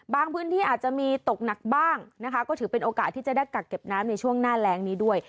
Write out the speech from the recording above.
พื้นที่อาจจะมีตกหนักบ้างนะคะก็ถือเป็นโอกาสที่จะได้กักเก็บน้ำในช่วงหน้าแรงนี้ด้วย